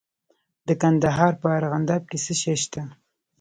د کندهار په ارغنداب کې څه شی شته؟